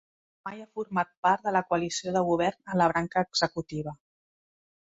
Mai ha format part de la coalició de govern a la branca executiva.